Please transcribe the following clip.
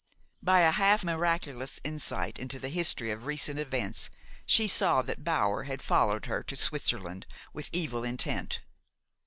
By a half miraculous insight into the history of recent events, she saw that Bower had followed her to Switzerland with evil intent.